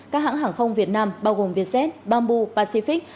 các hãng hàng không việt nam bao gồm vietjet bamboo pacific